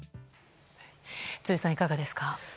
辻さん、いかがですか。